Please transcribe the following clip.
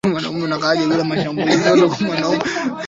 a cha kisiasa kinachoungwa mkono na majeshi nchini na myianmir